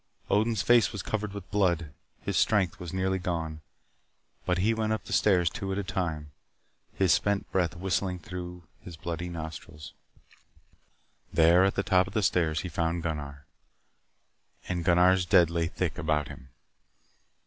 Odin's face was covered with blood. His strength was nearly gone. But he went up the stairs two steps at a time, his spent breath whistling through his bloody nostrils. There at the top of the stairs he found Gunnar. And Gunnar's dead lay thick about him.